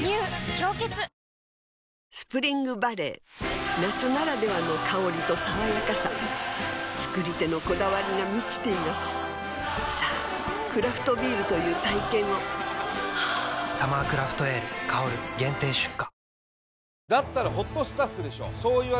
「氷結」スプリングバレー夏ならではの香りと爽やかさ造り手のこだわりが満ちていますさぁクラフトビールという体験を「サマークラフトエール香」限定出荷